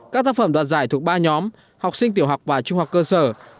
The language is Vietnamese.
các tác phẩm đoạt giải thuộc ba nhóm học sinh tiểu học và trung học cơ sở